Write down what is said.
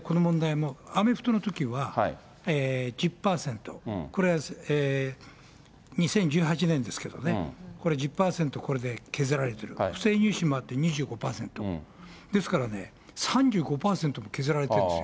この問題もアメフトのときは、１０％、これは２０１８年ですけどね、これ１０％、これで削られてる、不正入試もあって２５％、ですからね、３５％も削られてるんです